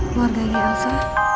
keluarga bu elsa